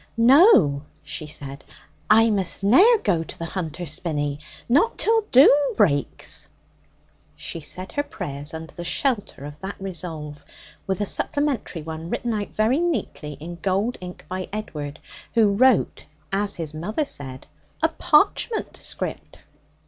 'No,' she said, 'I must ne'er go to the Hunter's Spinney not till doom breaks!' She said her prayers under the shelter of that resolve, with a supplementary one written out very neatly in gold ink by Edward, who wrote, as his mother said, 'a parchment script.'